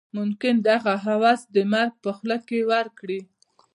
ممکن دغه هوس د مرګ په خوله کې ورکړي.